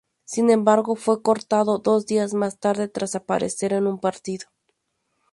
Sin embargo fue cortado dos días más tarde, tras aparecer en un partido.